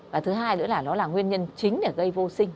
và thứ hai nữa là nó là nguyên nhân chính để gây vô sinh